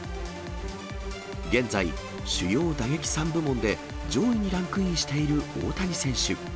現在、主要打撃３部門で上位にランクインしている大谷選手。